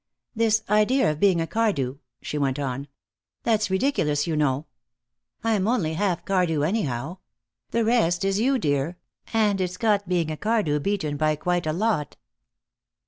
"This idea of being a Cardew," she went on, "that's ridiculous, you know. I'm only half Cardew, anyhow. The rest is you, dear, and it's got being a Cardew beaten by quite a lot."